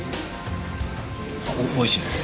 おいしいです。